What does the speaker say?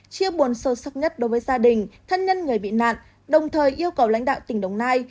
chia buồn sâu sắc nhất đối với gia đình thân nhân người bị nạn đồng thời yêu cầu lãnh đạo tỉnh đồng nai